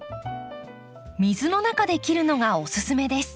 水の中で切るのがおすすめです。